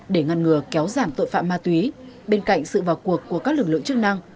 để ngăn ngừa kéo giảm tội phạm ma túy bên cạnh sự vào cuộc của các lực lượng chức năng